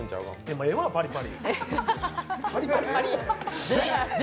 もうええわ、パリパリ。